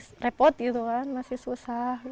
masih repot gitu kan masih susah